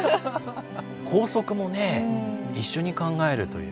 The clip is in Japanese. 校則もね一緒に考えるという。